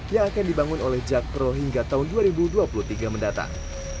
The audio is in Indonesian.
yang akan dibangun oleh jakpro hingga tahun dua ribu dua puluh tiga mendatang